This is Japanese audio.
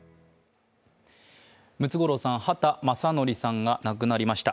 ムツゴロウさん畑正憲さんが亡くなりました。